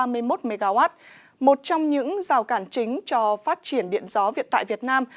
với tổng công suất lắp đặt là ba trăm ba mươi một mw một trong những rào cản chính cho phát triển điện gió tại việt nam